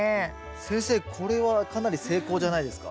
先生これはかなり成功じゃないですか？